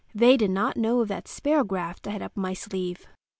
They did not know of that sparrow graft I had up my sleeve.